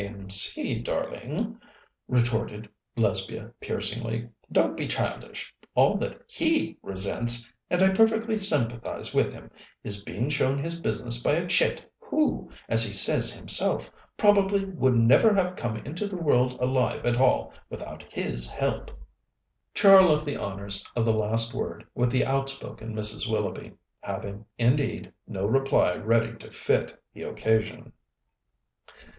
A.M.C., darling," retorted Lesbia piercingly. "Don't be childish! All that he resents and I perfectly sympathize with him is being shown his business by a chit who, as he says himself, probably would never have come into the world alive at all without his help." Char left the honours of the last word with the outspoken Mrs. Willoughby, having, indeed, no reply ready to fit the occasion.